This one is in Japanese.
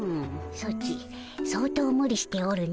ソチ相当ムリしておるの。